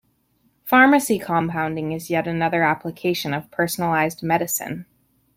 Pharmacy compounding is yet another application of personalised medicine.